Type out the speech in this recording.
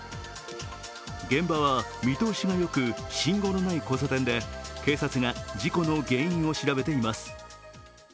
現場は見通しがよく、信号のない交差点で、警察が事故の原因を調べています。